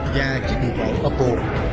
và chiếc điện thoại oppo